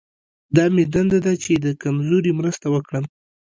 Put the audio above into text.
دا مې دنده ده چې د کمزوري مرسته وکړم.